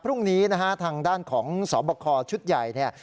พรุ่งนี้นะฮะทางด้านของสอบคอชุดใหญ่เนี่ย